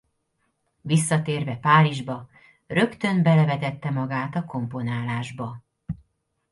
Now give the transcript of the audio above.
Visszatérve Párizsba rögtön belevetette magát a komponálásba.